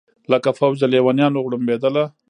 لکه فوج د لېونیانو غړومبېدله